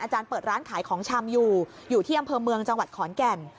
เปิดร้านขายของชำอยู่อยู่ที่อำเภอเมืองจังหวัดขอนแก่น